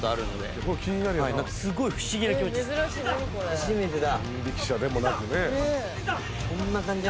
・初めてだ。